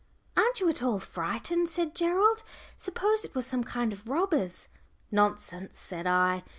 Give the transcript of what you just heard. "Aren't you at all frightened?" said Gerald. "S'pose it was some kind of robbers?" "Nonsense," said I.